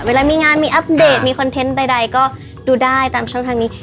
เวลามีงานมีอัปเดตมีคอนเทนต์ใดก็ดูได้ตามช่องทางนี้